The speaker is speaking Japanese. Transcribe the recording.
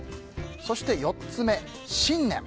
そして４つ目、信念。